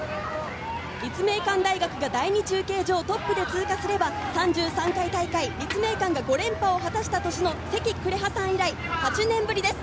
立命館大学が第２中継所トップで通過すれば３３回大会、立命館が５連覇を果たした年の関紅葉さん以来、８年ぶりです。